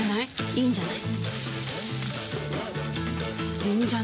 いいんじゃない？